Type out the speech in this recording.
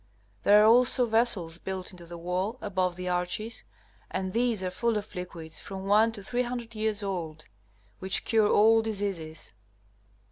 There are also vessels built into the wall above the arches, and these are full of liquids from one to 300 years old, which cure all diseases.